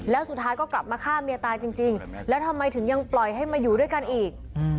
แล้วสุดท้ายก็กลับมาฆ่าเมียตายจริงแล้วทำไมถึงยังปล่อยให้มาอยู่ด้วยกันอีก